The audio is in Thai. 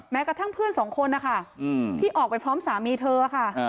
กระทั่งเพื่อนสองคนนะคะที่ออกไปพร้อมสามีเธอค่ะ